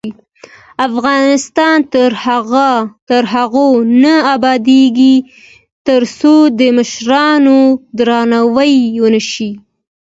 افغانستان تر هغو نه ابادیږي، ترڅو د مشرانو درناوی ونشي.